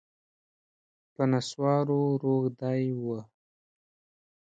په نسوارو روږدی و